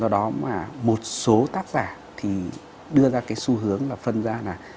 đó mà một số tác giả thì đưa ra cái xu hướng là phân ra là